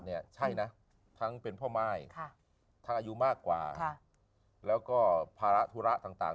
ใช่นะทั้งเป็นพ่อม่ายทั้งอายุมากกว่าแล้วก็ภาระธุระต่าง